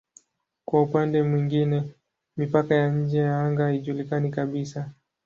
Kwa upande mwingine mipaka ya nje ya anga haijulikani kabisa.